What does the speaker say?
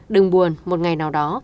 đừng buồn một ngày nào đó